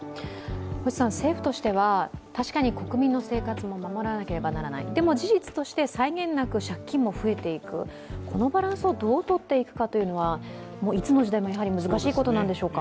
政府としては確かに国民の生活も守らなくてはならない、でも事実して、際限なく借金も増えていく、このバランスをどうとっていくのかは、いつの時代も難しいことなんでしょうか？